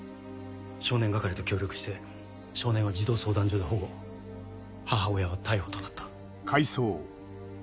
少年係と協力して少年は児童相談所で保護母親は逮捕となった。